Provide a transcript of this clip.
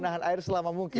menahan air selama mungkin